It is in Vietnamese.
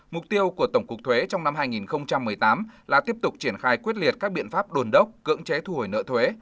mục tiêu của tổng cục thuế trong năm hai nghìn một mươi tám là tiếp tục triển khai quyết liệt các biện pháp đồn đốc cưỡng chế thu hồi nợ thuế